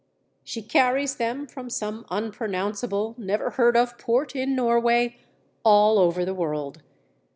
She carries them from some unpronounceable, never heard of port in Norway, all over the world.